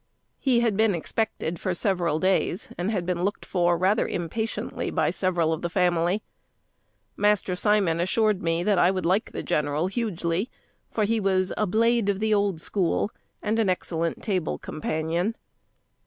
He had been expected for several days, and had been looked for rather impatiently by several of the family. Master Simon assured me that I would like the general hugely, for he was a blade of the old school, and an excellent table companion.